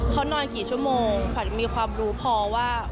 เขานอนกี่ชั่วโมงขวัญมีความรู้พอว่า